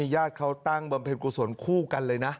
ญาติเขาตั้งบำเพ็ญกุศลคู่กันเลยนะ